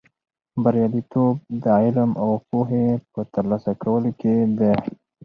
بریالیتوب د علم او پوهې په ترلاسه کولو کې دی.